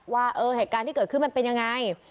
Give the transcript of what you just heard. ว่าเออเหตุการณ์ที่เกิดขึ้นมันเป็นยังไง